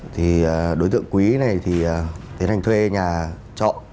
thì đối tượng quý này thì tiến hành thuê nhà trọ